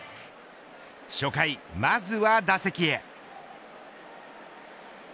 初回、まずは打席へ。